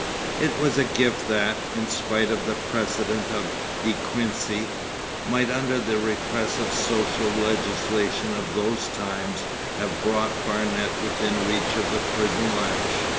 It was a gift that, in spite of the precedent of De Quincey, might under the repressive social legislation of those times, have brought Barnet within reach of the prison lash.